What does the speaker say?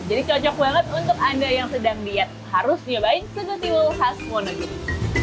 jadi cocok banget untuk anda yang sedang diet harus nyobain segotiwol khas wonogiri